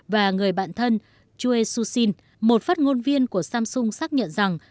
và người bạn thân choi soo shin một phát ngôn viên của samsung xác nhận rằng